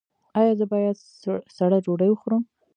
ایا زه باید سړه ډوډۍ وخورم؟